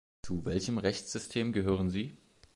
Zu welchem Rechtssystem gehören sie?